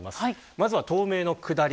まずは東名の下り